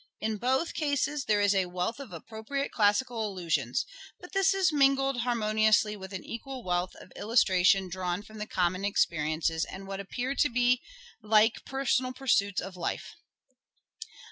In both cases there is a wealth of appropriate classical allusions ; but this is mingled harmoniously with an equal wealth of illustration 164 " SHAKESPEARE " IDENTIFIED drawn from the common experiences and what appear like the personal pursuits of life.